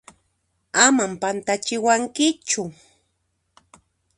Aman pantachiwankichu!